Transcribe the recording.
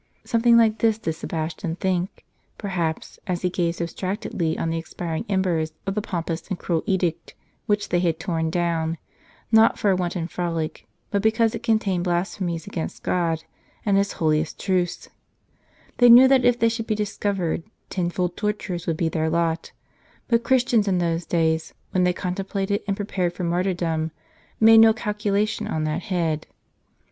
Something like this did Sebastian think, perhaps, as he gazed abstractedly on the expiring embers of the pompous and cruel edict which they had torn down, not for a wanton frolic, but because it contained blasphemies against God and His holiest truths. They knew that if they should be discov ered, tenfold tortui es would be their lot; but Christians in those days, when they contemplated and pi epared for martyr dom, made no calculation on that head.